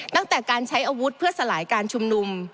ตั้งแต่การใช้อาวุธเพื่อสลายการชุมนุม